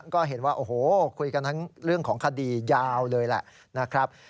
ก็เห็นว่าโอ้โหคุยกันทั้งเรื่องของคดียาวเลยแหละนะครับ